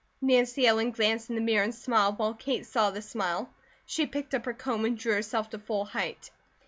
Nancy Ellen glanced in the mirror and smiled, while Kate saw the smile. She picked up her comb and drew herself to full height.